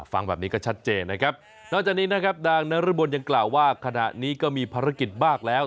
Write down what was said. ฟังแบบนี้ก็ชัดเจนนะครับนอกจากนี้นะครับนางนรมนยังกล่าวว่าขณะนี้ก็มีภารกิจมากแล้ว